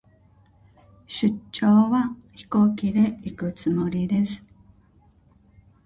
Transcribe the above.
出張は、飛行機で行くつもりです。